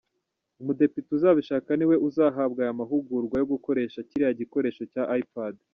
Umudepite uzabishaka niwe uzahabwa aya mahugurwa yo gukoresha kiriya gikoresho cya i Pad.